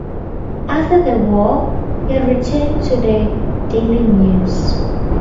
After the war, he returned to the "Daily News".